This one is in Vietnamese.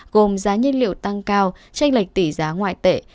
gồm giá nhiên liệu tăng cao tranh lệch tỷ giá ngoại tệ